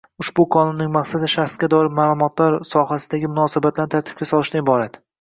Ushbu Qonunning maqsadi shaxsga doir ma’lumotlar sohasidagi munosabatlarni tartibga solishdan iborat.